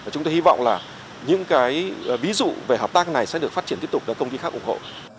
chúng tôi hy vọng là những cái ví dụ về hợp tác này sẽ được phát triển tiếp tục được công ty khác ủng hộ